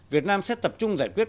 việt nam sẽ tập trung giải quyết